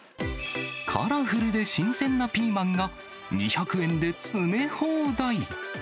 カラフルで新鮮なピーマンが、２００円で詰め放題。